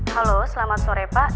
halo selamat sore pak